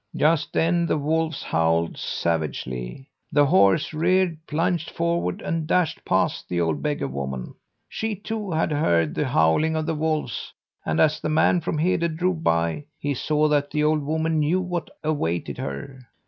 "Just then the wolves howled savagely. The horse reared, plunged forward, and dashed past the old beggar woman. She, too, had heard the howling of the wolves, and, as the man from Hede drove by, he saw that the old woman knew what awaited her.